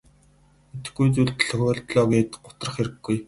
Мэдэхгүй зүйл тохиолдлоо гээд гутрах хэрэггүй.